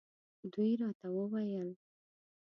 دوی راته وویل.